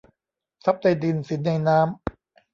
ทรัพย์ในดิน สินในน้ำ